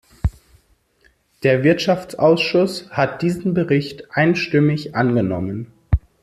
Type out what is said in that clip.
Der Wirtschaftsausschuss hat diesen Bericht einstimmig angenommen.